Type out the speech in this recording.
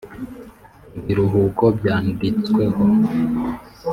ibiruhuko byanditseho *